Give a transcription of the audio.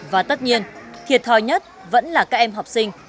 và tất nhiên thiệt thòi nhất vẫn là các em học sinh